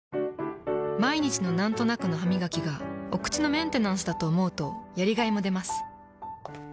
毎日のなんとなくのハミガキがお口のメンテナンスだと思うとやりがいもでます。